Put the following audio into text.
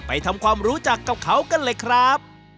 ทำความรู้จักกับเขากันเลยครับ